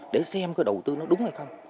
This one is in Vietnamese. để xem cái đầu tư nó đúng hay không